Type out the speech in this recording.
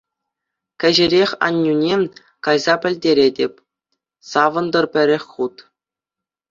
Кӗҫӗрех аннӳне кайса пӗлтеретӗп — савӑнтӑр пӗрех хут!